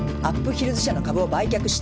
ヒルズ社の株を売却した。